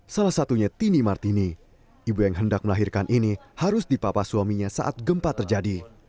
salah satunya tini martini ibu yang hendak melahirkan ini harus dipapa suaminya saat gempa terjadi